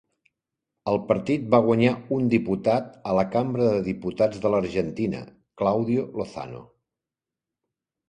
El partit va guanyar un diputat a la Cambra de Diputats de l'Argentina, Claudio Lozano.